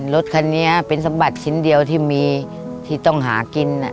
รถคันนี้เป็นสมบัติชิ้นเดียวที่มีที่ต้องหากิน